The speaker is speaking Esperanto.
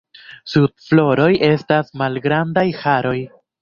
Sub floroj estas malgrandaj haroj.